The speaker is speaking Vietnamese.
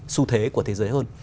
su thế của thế giới hơn